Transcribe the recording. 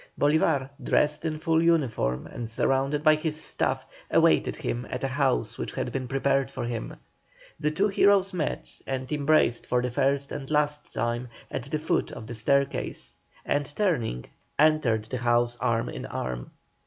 Bolívar, dressed in full uniform and surrounded by his staff, awaited him at a house which had been prepared for him. The two heroes met, and embraced for the first and last time, at the foot of the staircase, and turning, entered the house arm in arm.